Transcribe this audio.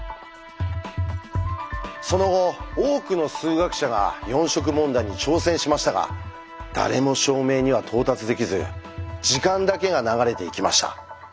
その後多くの数学者が四色問題に挑戦しましたが誰も証明には到達できず時間だけが流れていきました。